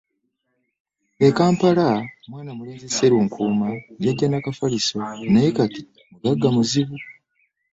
E Kampala mwana mulenzi Sserunkuuma yajja na kafaliso naye kati mugagga muzibu!